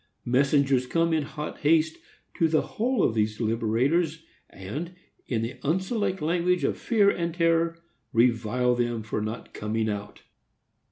Messengers come in hot haste to the hall of these deliberators, and, in the unselect language of fear and terror, revile them for not coming out.